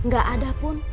gak ada pun